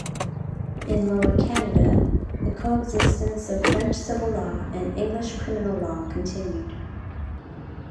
In Lower Canada, the coexistence of French civil law and English criminal law continued.